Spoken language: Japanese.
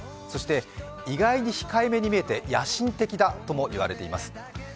そして意外に控えめに見えて野心的だとも言われています。